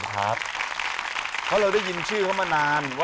เราได้ยินชื่อเข้ามานานว่า